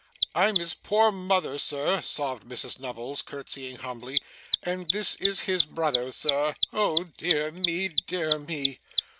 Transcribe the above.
'I'm his poor mother, sir,' sobbed Mrs Nubbles, curtseying humbly, 'and this is his brother, sir. Oh dear me, dear me!